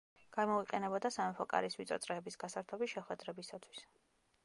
გამოიყენებოდა სამეფო კარის ვიწრო წრეების გასართობი შეხვედრებისათვის.